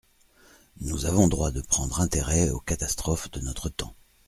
Nous avons droit de prendre intérêt aux catastrophes de notre temps.